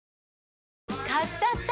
買っちゃった！